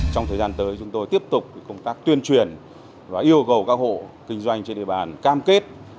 trong thời gian tới chúng tôi tiếp tục công tác tuyên truyền và yêu cầu các hộ kinh doanh trên địa bàn cam kết